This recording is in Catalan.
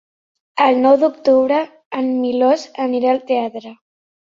El nou d'octubre en Milos anirà al teatre.